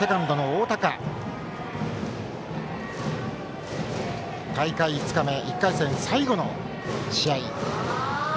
大会５日目、１回戦最後の試合。